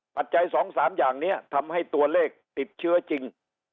ปัจจัย๒๓อย่างนี้ทำให้ตัวเลขติดเชื้อจริง